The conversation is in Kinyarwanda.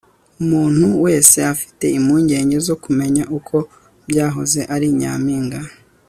umuntu wese afite impungenge zo kumenya uko byahoze ari nyampinga